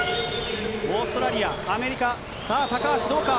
オーストラリア、アメリカ、さあ、高橋どうか。